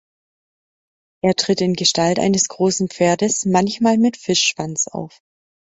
Er tritt in Gestalt eines großen Pferdes, manchmal mit Fischschwanz auf.